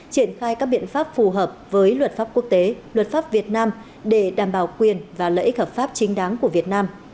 triển khai các biện pháp phù hợp với luật pháp quốc tế luật pháp việt nam để đảm bảo quyền và lợi ích hợp pháp chính đáng của việt nam